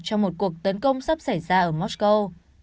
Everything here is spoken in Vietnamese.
cho một cuộc tấn công sắp xảy ra ở moscow